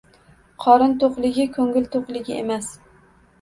Qorin to‘qligi ko‘ngil to‘qligi emas.